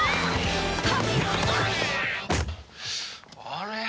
あれ？